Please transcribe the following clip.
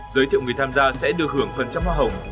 giới thiệu người tham gia sẽ được hưởng phần trăm hoa hồng